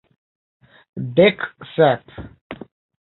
Dek sep.